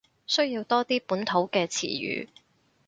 需要多啲本土嘅詞語